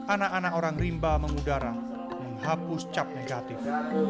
anak anak orang rimba mengudara menghapus cap negatif